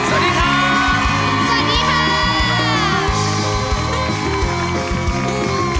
สวัสดีค่ะ